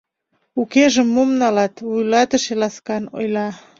Укежым мом налат, — вуйлатыше ласкан ойла.